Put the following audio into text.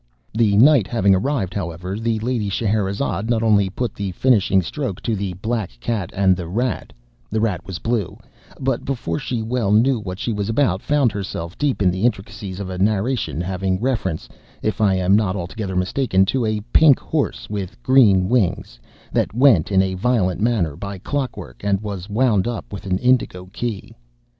The night having arrived, however, the lady Scheherazade not only put the finishing stroke to the black cat and the rat (the rat was blue) but before she well knew what she was about, found herself deep in the intricacies of a narration, having reference (if I am not altogether mistaken) to a pink horse (with green wings) that went, in a violent manner, by clockwork, and was wound up with an indigo key.